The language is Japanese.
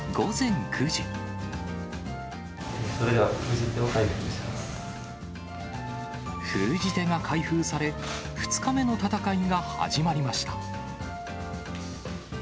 それでは、封じ手を開封しま封じ手が開封され、２日目の戦いが始まりました。